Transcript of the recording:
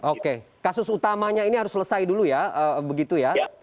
oke kasus utamanya ini harus selesai dulu ya begitu ya